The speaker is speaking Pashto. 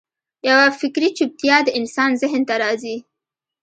یوه فکري چوپتیا د انسان ذهن ته راځي.